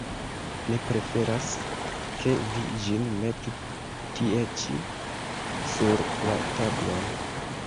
Mi preferas, ke vi ĝin metu tie ĉi, sur la tablon!